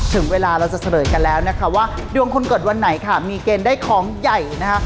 ถึงเวลาเราจะเฉลยกันแล้วนะคะว่าดวงคนเกิดวันไหนค่ะมีเกณฑ์ได้ของใหญ่นะคะ